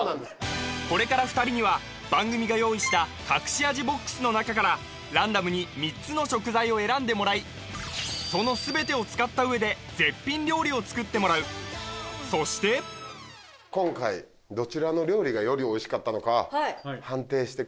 これから２人には番組が用意した隠し味ＢＯＸの中からランダムに３つの食材を選んでもらいその全てを使った上で絶品料理を作ってもらうそしてそれ大事よ誰？